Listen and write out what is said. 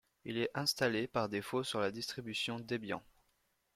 Il est installé par défaut sur la distribution Debian.